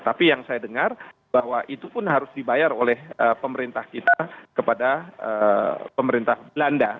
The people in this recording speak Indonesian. tapi yang saya dengar bahwa itu pun harus dibayar oleh pemerintah kita kepada pemerintah belanda